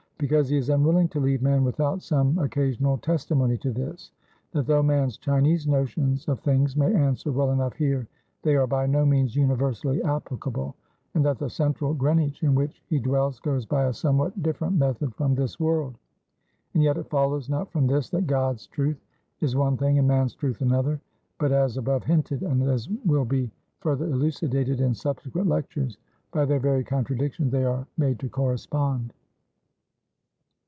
Because he is unwilling to leave man without some occasional testimony to this: that though man's Chinese notions of things may answer well enough here, they are by no means universally applicable, and that the central Greenwich in which He dwells goes by a somewhat different method from this world. And yet it follows not from this, that God's truth is one thing and man's truth another; but as above hinted, and as will be further elucidated in subsequent lectures by their very contradictions they are made to correspond.